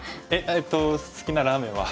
えっと好きなラーメンは？